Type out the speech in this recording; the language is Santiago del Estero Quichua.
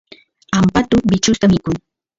ampatu bichusta mikun